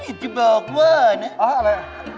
ชิดที่บอกว่าอะไร